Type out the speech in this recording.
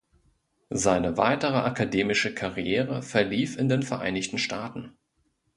Seine weitere akademische Karriere verlief in den Vereinigten Staaten.